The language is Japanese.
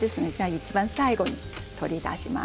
いちばん最後に取り出します。